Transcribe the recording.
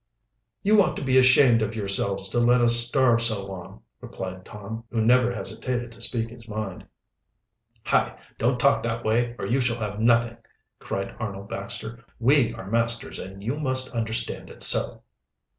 "You ought to be ashamed of yourselves to let us starve so long," replied Tom, who never hesitated to speak his mind. "Hi! don't talk that way, or you shall have nothing," cried Arnold Baxter. "We are masters, and you must understand it so."